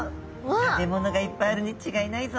食べ物がいっぱいあるに違いないぞ」と。